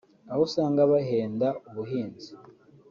aho usanga bahenda umuhinzi